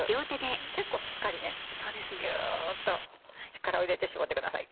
結構しっかりねギュッと力を入れて絞ってください。